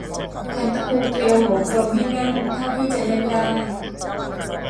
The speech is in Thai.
ขันตะปูเกลียวหัวกลมให้แน่นเท่าที่จะแน่นได้